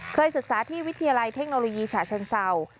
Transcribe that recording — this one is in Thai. ศึกษาที่วิทยาลัยเทคโนโลยีฉาเชิงเศร้า